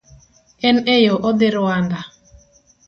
En e yoo odhi Rwanda.